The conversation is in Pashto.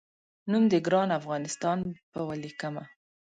نوم د ګران افغانستان په ولیکمه